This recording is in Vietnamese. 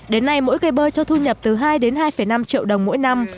đến nay mỗi cây bơ cho thu nhập từ hai đến hai năm triệu đồng mỗi năm